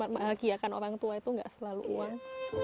membahagiakan orang tua itu gak selalu uang